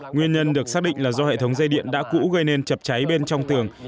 nguyên nhân được xác định là do hệ thống dây điện đã cũ gây nên chập cháy bên trong tường